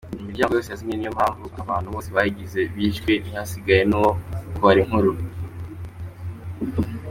Imiryango yazimye ni iyo abantu bose bayigize bishwe ntihasigare n’uwo kubara inkuru.